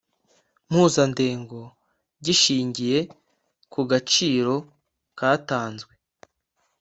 mpuzandengo gishingiye ku gaciro katanzwe